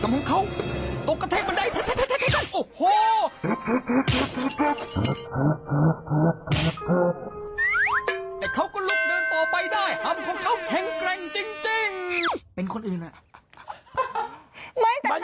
มันบอกพ่ออวัยวะเพศมันใหญ่